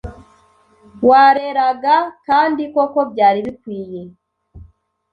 wareraga kandi koko byari bikwiye.